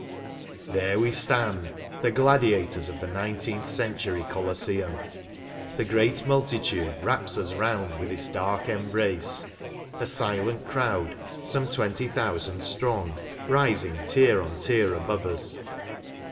There we stand, the gladiators of the nine teenth century Colosseum. The great multitude wraps us round with its dark embrace ; a silent crowd, some twenty thousand strong, rising tier on tier above us.